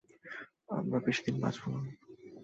আমরা বেশিদিন বাঁচব না।